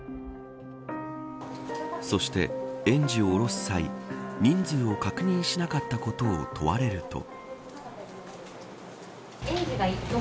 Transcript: そして、園児を降ろす際人数を確認しなかったことを問われると。